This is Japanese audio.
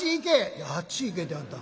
「いやあっち行けてあんた。